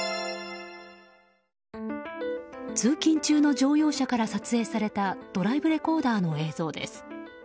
通勤中の乗用車から撮影されたドライブレコーダーの映像です。